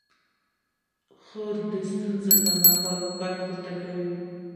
خور د ستونزو پر مهال غږ پورته کوي.